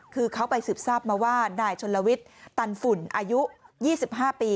คือเขาไปสืบทราบมาว่านายชนลวิทย์ตันฝุ่นอายุ๒๕ปี